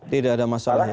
tidak ada masalah ya